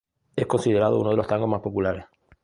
Es considerado uno de los tangos más populares.